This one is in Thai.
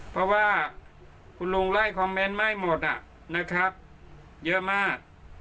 เพราะว่าคุณลุงไล่คอมเมนต์ไหม้หมดนะครับเยอะมาก